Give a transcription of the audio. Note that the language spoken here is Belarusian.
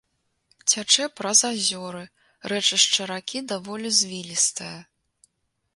Цячэ праз азёры, рэчышча ракі даволі звілістае.